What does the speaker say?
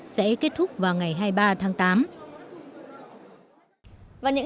sẽ kết thúc vào ngày hai mươi ba tháng tám